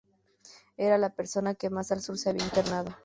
Era la persona que más al sur se había internado.